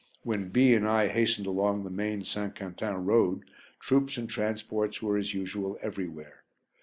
When B and I hastened along the main St. Quentin Road, troops and transports were as usual everywhere.